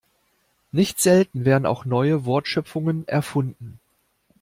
Nicht selten werden auch neue Wortschöpfungen erfunden.